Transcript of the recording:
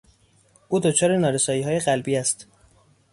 او دچار نارساییهای قلبی است.